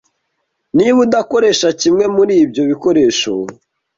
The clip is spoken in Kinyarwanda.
Niba udakoresha kimwe muri ibyo bikoresho